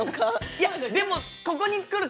いやでもここに来るか